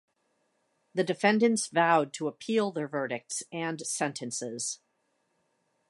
The defendants vowed to appeal their verdicts and sentences.